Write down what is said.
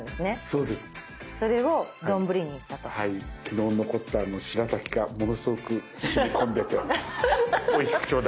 昨日残ったしらたきがものすごくしみ込んでておいしく頂戴しました。